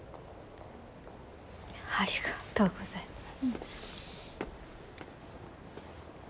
ありがとうございます